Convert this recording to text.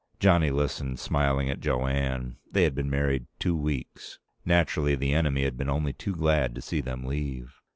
Johnny listened, smiling at Jo Anne. They had been married two weeks. Naturally, the enemy had been only too glad to see them leave.